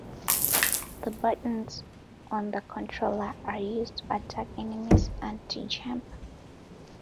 The buttons on the controller are used to attack enemies and to jump.